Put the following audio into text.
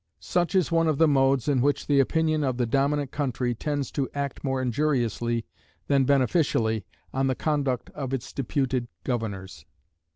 Such is one of the modes in which the opinion of the dominant country tends to act more injuriously than beneficially on the conduct of its deputed governors.